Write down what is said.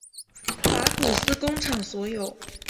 法古斯工厂所有。